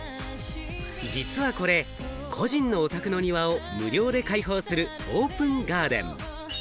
実はこれ、個人のお宅の庭を無料で開放する、オープンガーデン。